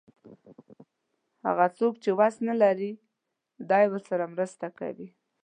هغه څوک چې وس نه لري دی ورسره مرسته کوي.